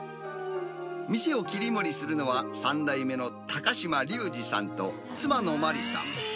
店を切り盛りするのは、３代目の高島龍二さんと、妻の麻里さん。